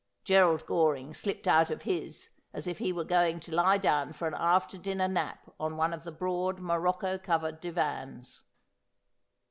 Gerald Goring slipped out of his as if he were going to lie down for an after dinner nap on one of the broad morocco covered divans.